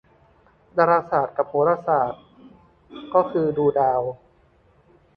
ดาราศาสตร์กับโหราศาสตร์ก็ดูดาว